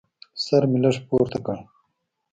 سر مې لږ پورته کړ.